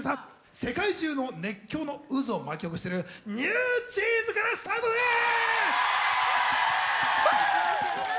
世界中の熱狂の渦を巻き起こしてるＮｅｗＪｅａｎｓからスタートです！